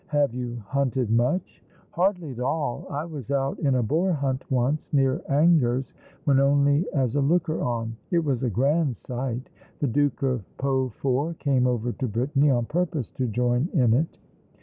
Have you hunted much ?" "Hardly at all. I was out in a boar hunt once, near Angers, but only as a looker on. It was a grand sight. The Duke of Peaufort came over to Brittany on purpose to join in it."